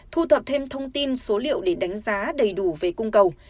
thu thập thêm thông tin số liệu để đánh giá đầy đủ về cung cầu